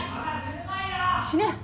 死ね。